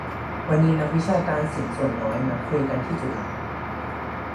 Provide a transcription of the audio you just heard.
วันนี้กลุ่มนักวิชาการ"เสียงส่วนน้อย" นัดคุยกันที่จุฬา